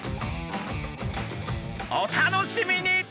お楽しみに！